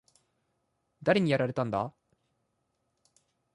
誰にやられたんだ？